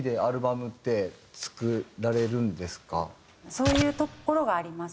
そういうところがあります。